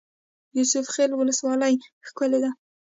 یوسف خیل ولسوالۍ ښکلې ده؟